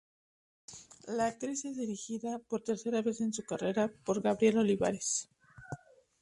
La actriz es dirigida, por tercera vez en su carrera, por Gabriel Olivares.